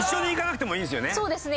そうですね。